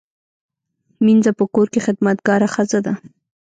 مینځه په کور کې خدمتګاره ښځه ده